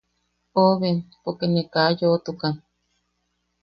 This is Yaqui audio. Oben poke ne ka yoʼotukan.